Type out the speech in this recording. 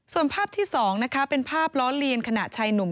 ส่วนภาพที่๒นะคะเป็นภาพล้อเลียนขณะชายหนุ่ม